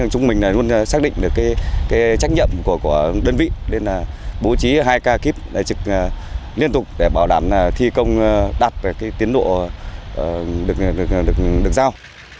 chúng mình luôn xác định được trách nhậm của đơn vị bố trí hai ca kiếp liên tục để bảo đảm thi công đạt tiến độ được giao